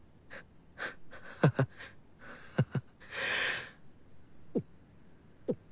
ハハハハ。